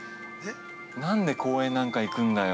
何で公園なんか行くんだよ。